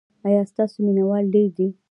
ایا ستاسو مینه وال ډیر دي؟